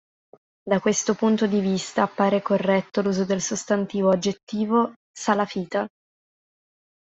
Da questo punto di vista appare corretto l'uso del sostantivo-aggettivo "salafita".